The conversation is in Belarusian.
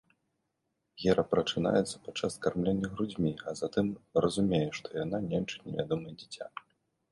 Гера прачынаецца падчас кармлення грудзьмі, а затым разумее, што яна няньчыць невядомае дзіця.